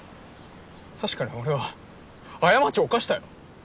確かに俺は過ちを犯したよ。